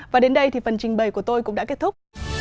và đến đây thì phần trình bày của tôi cũng đã kết thúc